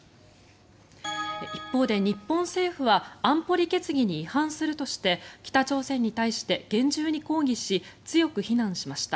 一方で、日本政府は安保理決議に違反するとして北朝鮮に対して厳重に抗議し強く非難しました。